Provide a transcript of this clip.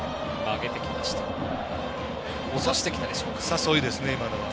誘いですね、今のは。